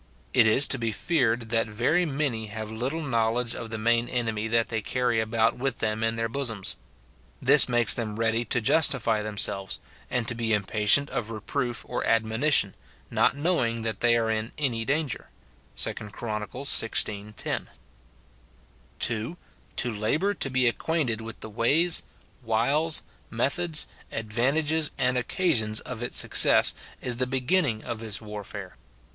It is to be feared that very many have little knowledge of the main enemy that they carry about with them in their bosoms. This makes them ready to justify themselves, and to be impatient of reproof or admonition, not knowing that they are in any danger, 2 Chron. xvi. 10. [2.] To labour to be acquainted with the ways, wiles, methods, advantages, and occasions of its success, is the beginning of this warfare.